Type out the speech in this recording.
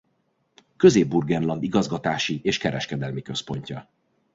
Közép-Burgenland igazgatási és kereskedelmi központja.